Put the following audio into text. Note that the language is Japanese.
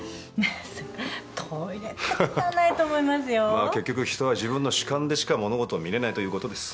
まあ結局人は自分の主観でしか物事を見れないということです。